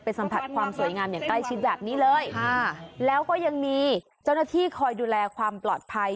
สัมผัสความสวยงามอย่างใกล้ชิดแบบนี้เลยค่ะแล้วก็ยังมีเจ้าหน้าที่คอยดูแลความปลอดภัย